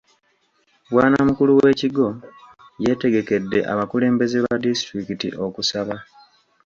Bwanamukulu w'ekigo yategekedde abakulembeze ba disitulikiti okusaba.